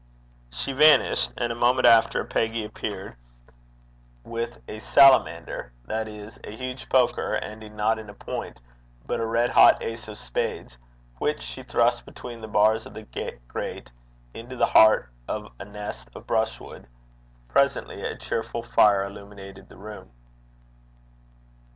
She vanished; and a moment after, Peggy appeared with a salamander that is a huge poker, ending not in a point, but a red hot ace of spades which she thrust between the bars of the grate, into the heart of a nest of brushwood. Presently a cheerful fire illuminated the room.